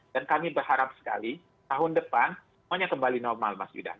dan kami berharap sekali tahun depan semuanya kembali normal mas yudha